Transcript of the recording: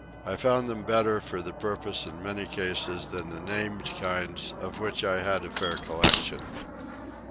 I found them better for the purpose in many cases than the named kinds of which I had a fair collection.